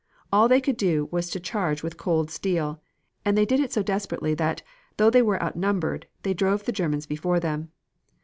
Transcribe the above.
All they could do was to charge with cold steel, and they did it so desperately that, though they were outnumbered, they drove the Germans before them.